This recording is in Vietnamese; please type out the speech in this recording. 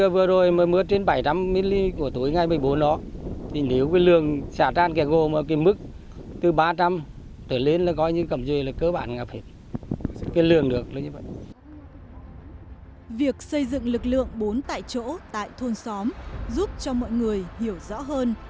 việc xây dựng lực lượng bốn tại chỗ tại thôn xóm giúp cho mọi người hiểu rõ hơn